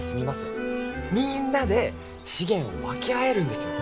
みんなで資源を分け合えるんですよ。